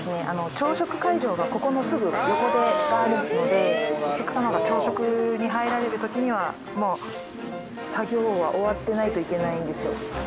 朝食会場がここのすぐ横であるのでお客様が朝食に入られる時にはもう作業は終わってないといけないんですよ。